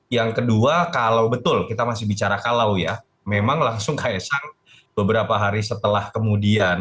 yang kedua kalau betul kita masih bicara kalau ya memang langsung kaisang beberapa hari setelah kemudian